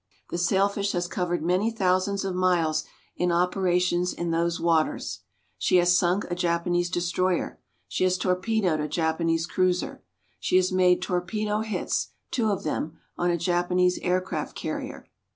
The SAILFISH has covered many thousands of miles in operations in those waters. She has sunk a Japanese destroyer. She has torpedoed a Japanese cruiser. She has made torpedo hits two of them on a Japanese aircraft carrier.